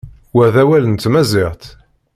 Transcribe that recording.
Wa d awal n tmaziɣt.